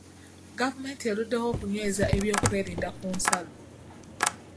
Gavumenti eruddewo okunyweza ebyokwerinda ku nsalo.